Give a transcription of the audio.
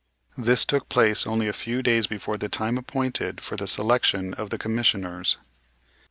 This took place only a few days before the time appointed for the selection of the commissioners.